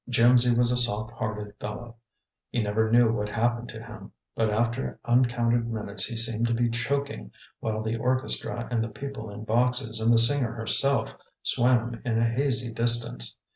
Jimsy was a soft hearted fellow. He never knew what happened to him; but after uncounted minutes he seemed to be choking, while the orchestra and the people in boxes and the singer herself swam in a hazy distance.